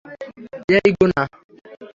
এই, গুনা!